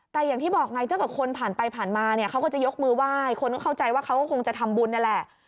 แต่อย่างที่บอกไงถ้าเกิดคนผ่านไปผ่านมาเนี่ยเขาก็จะยกมือไหว้คนก็เข้าใจว่าเขาก็คงจะทำบุญนี่แหละ